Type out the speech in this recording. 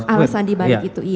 alasan dibalik itu iya